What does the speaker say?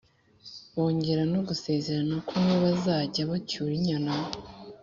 bongera no gusezerana ko nibazajya bacyura inyana,